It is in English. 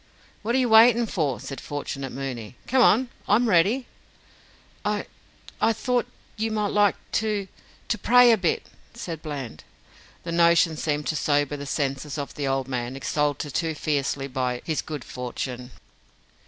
"What are you waiting for?" said fortunate Mooney. "Come on, I'm ready." "I I thought you might like to to pray a bit," said Bland. The notion seemed to sober the senses of the old man, exalted too fiercely by his good fortune.